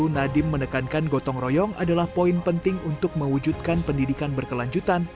nadiem menekankan gotong royong adalah poin penting untuk mewujudkan pendidikan berkelanjutan